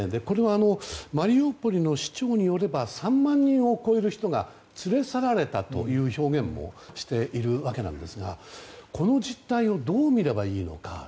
これはマリウポリの市長によれば３万人を超える人が連れ去られたという表現もしているわけなんですがこの実態をどう見ればいいのか。